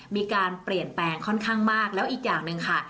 มีการเปลี่ยนแปลงค่อนข้างมากแล้วอีกอย่างหนึ่งค่ะ